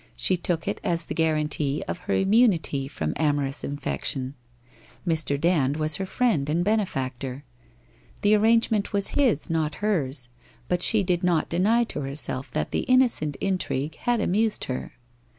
She took it as the guarantee of her immunity from amorous infection. Mr. Dand was her friend and benefactor. The arrangement was his, not hers, but she did not deny to herself that the innocent intrigue had amused her.